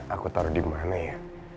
aku taruh di mana ya